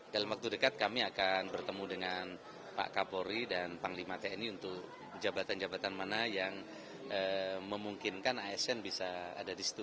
dalam waktu dekat kami akan bertemu dengan pak kapolri dan panglima tni untuk jabatan jabatan mana yang memungkinkan asn bisa ada di situ